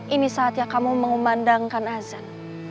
ini saatnya kamu mengumandangkan azan